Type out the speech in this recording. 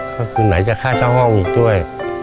ก็คือไหนจะค่าเช่าห้องอีกด้วย